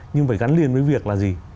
nhưng phải gắn liền với việc là gì